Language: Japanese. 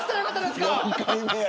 ４回目や。